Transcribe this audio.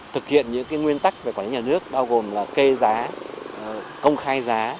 thực hiện những nguyên tắc về quản lý nhà nước bao gồm là kê giá công khai giá